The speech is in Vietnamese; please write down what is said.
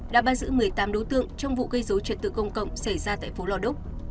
đã bắt giữ một mươi tám đối tượng trong vụ gây dối trật tự công cộng xảy ra tại phố lò đúc